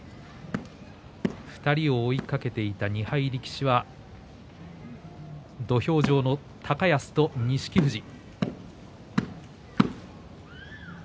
２人を追いかけていた２敗力士は土俵上の高安と錦富士。